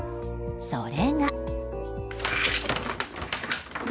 それが。